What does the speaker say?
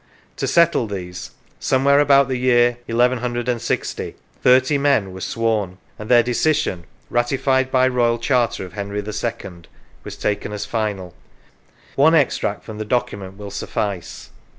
To settle these, somewhere about the year 1160 thirty men were sworn, and their decision, ratified by Royal Charter of Henry II.. was taken as final. One extract from the docu ment will suffice.